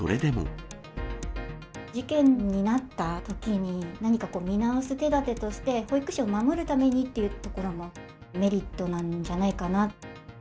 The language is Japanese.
事件になったときに、何か見直す手立てとして、保育士を守るためにっていうところもメリットなんじゃないかな。